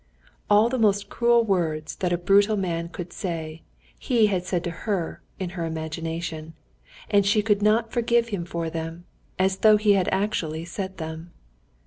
All the most cruel words that a brutal man could say, he said to her in her imagination, and she could not forgive him for them, as though he had actually said them.